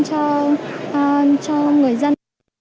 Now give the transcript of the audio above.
cho người dân